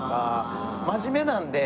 真面目なんで。